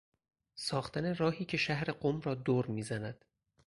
ساختن راهی که شهر قم را دور میزند